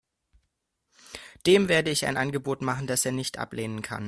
Dem werde ich ein Angebot machen, das er nicht ablehnen kann.